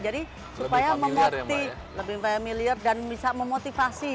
jadi supaya memotivasi lebih familiar dan bisa memotivasi